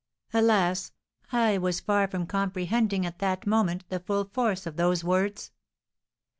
Alas, I was far from comprehending at that moment the full force of those words!